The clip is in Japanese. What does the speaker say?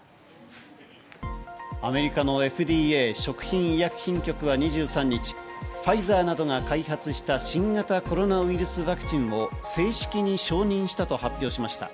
アメリカのＦＤＡ＝食品医薬品局は２３日、ファイザーなどが開発した新型コロナウイルスワクチンを正式に承認したと発表しました。